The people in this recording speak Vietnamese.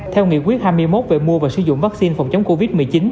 theo nghị quyết hai mươi một về mua và sử dụng vaccine phòng chống covid một mươi chín